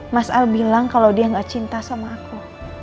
mas aldebaran bilang kalau dia tidak cinta sama aku